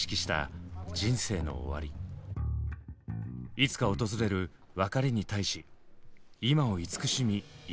いつか訪れる別れに対し今を慈しみ生きる。